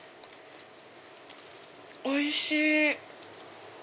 おいしい！